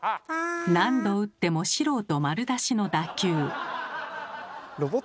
何度打っても素人丸出しの打球。